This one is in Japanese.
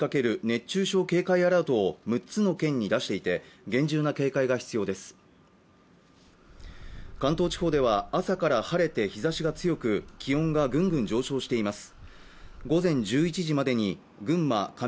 熱中症警戒アラートを６つの県に出していて厳重な警戒が必要です関東地方では朝から晴れて日差しが強く気温がぐんぐん上昇しています